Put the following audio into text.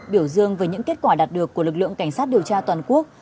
biểu dương về những kết quả đạt được của lực lượng cảnh sát điều tra toàn quốc